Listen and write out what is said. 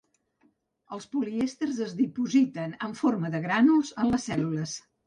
Els polièsters es dipositen en forma de grànuls en les cèl·lules.